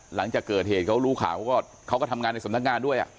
หลังจากเกิดเหตุเขารู้ข่าวเขาก็ทำงานในสำนักงานด้วย